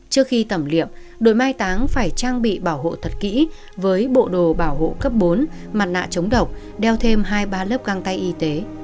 trước khi tẩm liệm đội mai táng phải trang bị bảo hộ thật kỹ với bộ đồ bảo hộ cấp bốn mặt nạ chống độc đeo thêm hai ba lớp găng tay y tế